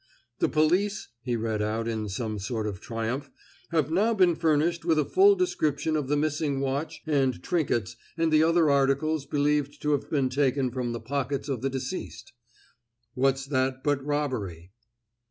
"'The police,'" he read out, in some sort of triumph, "'have now been furnished with a full description of the missing watch and trinkets and the other articles believed to have been taken from the pockets of the deceased.' What's that but robbery?"